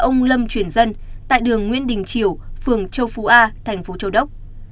nam chuyển dân tại đường nguyễn đình triều phường châu phú a thành phố châu đốc